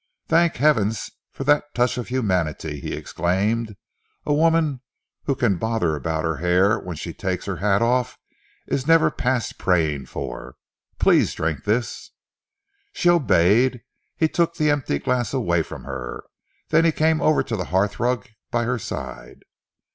"Thank heavens for that touch of humanity!" he exclaimed. "A woman who can bother about her hair when she takes her hat off, is never past praying for. Please drink this." She obeyed. He took the empty glass away from her. Then he came over to the hearthrug by her side.